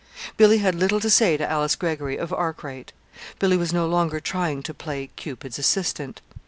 Billy had little to say to Alice Greggory of Arkwright. Billy was no longer trying to play Cupid's assistant.